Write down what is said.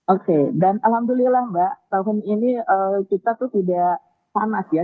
oke dan alhamdulillah mbak tahun ini kita tuh tidak panas ya